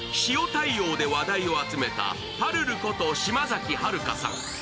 塩対応で話題を集めた、ぱるること島崎遥香さん。